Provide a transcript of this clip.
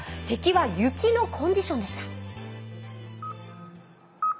敵は雪のコンディションでした。